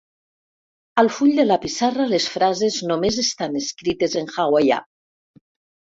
Al full de la pissarra les frases només estan escrites en hawaiià.